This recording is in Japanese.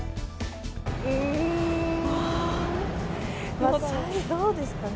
うーん、どうですかね。